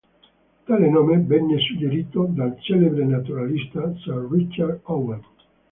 Tale nome venne suggerito dal celebre naturalista Sir Richard Owen.